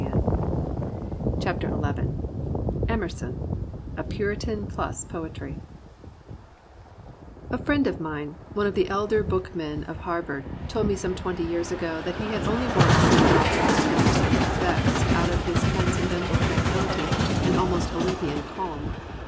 331 i A PURITAN PLUS POETRY I A PURITAN PLUS POETRY I A FRIEND of mine, one of the Elder Bookmen of Harvard, told me some twenty years ago that he had only once seen Ralph Waldo Emerson vexed out of his transcendental tranquillity and almost Olympian calm.